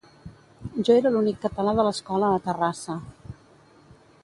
Jo era l'únic català de l'escola a Terrassa